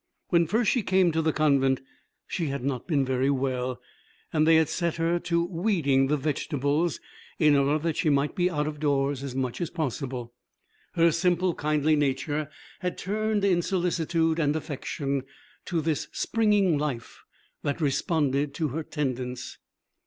When first she came to the convent she had not been very well, and they had set her to weeding the vegetables in order that she might be out of doors as much as possible. Her simple, kindly nature had turned in solicitude and affection to this springing life that responded to her tendance.